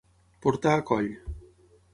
Portar a coll.